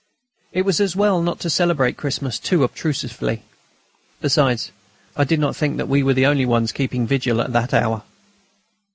It was as well not to celebrate Christmas too obtrusively. Besides, I did not think we were the only ones keeping vigil at that hour.